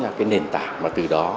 là cái nền tảng mà từ đó